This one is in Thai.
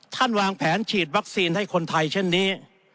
วางแผนฉีดวัคซีนให้คนไทยเช่นนี้